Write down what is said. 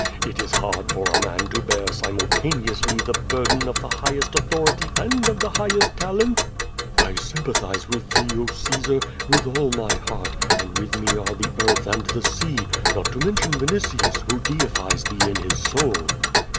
It is hard for a man to bear sim ultaneously the burden of the highest authority and of the highest talent." ''I sympathize with thee, oh, Caesar, ^vith all my heart, and with me are the earth and the sea, not to mention Vinitius, who deifies thee in his soul."